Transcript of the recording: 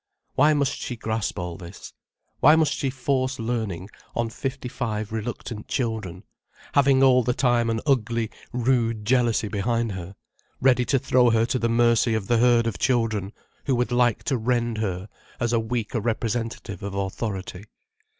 Why must she grasp all this, why must she force learning on fifty five reluctant children, having all the time an ugly, rude jealousy behind her, ready to throw her to the mercy of the herd of children, who would like to rend her as a weaker representative of authority.